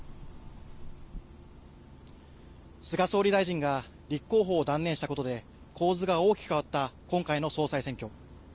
菅総理大臣が立候補を断念したことで構図が大きく変わった今回の総裁選挙。